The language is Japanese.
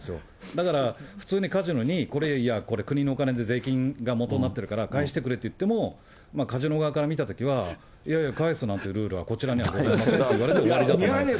だから、普通にカジノに、これ、いや、国のお金で税金がもとになってるから、返してくれと言っても、カジノ側から見たときは、いやいや、返すなんてルールはこちらにはございませんって言われて終わりだと思います。